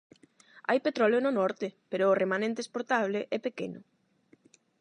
Hai petróleo no norte, pero o remanente exportable é pequeno.